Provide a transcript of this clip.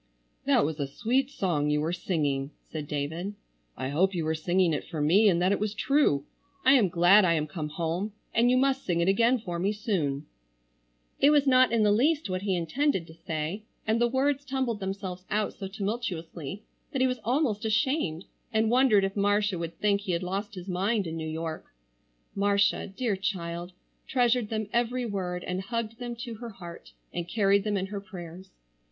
"That was a sweet song you were singing," said David. "I hope you were singing it for me, and that it was true! I am glad I am come home, and you must sing it again for me soon." It was not in the least what he intended to say, and the words tumbled themselves out so tumultuously that he was almost ashamed and wondered if Marcia would think he had lost his mind in New York. Marcia, dear child, treasured them every word and hugged them to her heart, and carried them in her prayers.